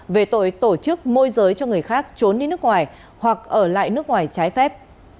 về tội tổ chức môi giới cho người khác trốn đi nước ngoài hoặc ở lại nước ngoài trái phép